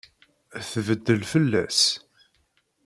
Tbeddel fell-as.